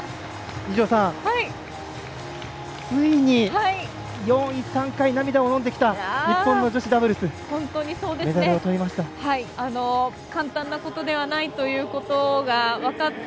二條さん、ついに４位、３回で涙をのんできた日本の女子ダブルスメダルをとりました。